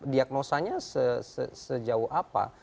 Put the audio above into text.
diagnosanya sejauh apa